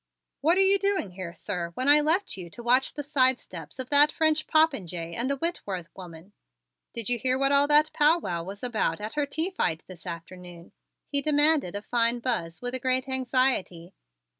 "What are you doing here, sir, when I left you to watch the side steps of that French popinjay and the Whitworth woman? Did you hear what all that powwow was about at her tea fight this afternoon?" he demanded of fine Buzz, with a great anxiety.